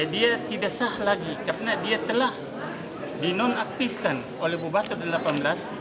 dia tidak sah lagi karena dia telah dinonaktifkan oleh bobato xviii